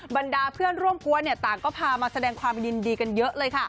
บรรดาเพื่อนร่วมกวนต่างก็พามาแสดงความยินดีกันเยอะเลยค่ะ